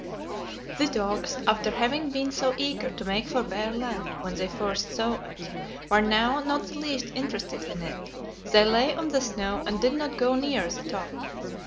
The dogs, after having been so eager to make for bare land when they first saw it, were now not the least interested in it; they lay on the snow, and did not go near the top.